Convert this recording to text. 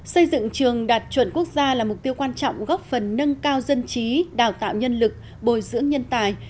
xây dựng trường đạt chuẩn quốc gia là mục tiêu quan trọng góp phần nâng cao dân trí đào tạo nhân lực bồi dưỡng nhân tài